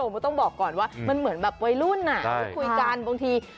ไม่ต้องบอกก่อนว่ามันเหมือนแบบวัยรุ่นพูดคุยกันบางที